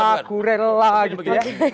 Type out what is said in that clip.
aku rela gitu ya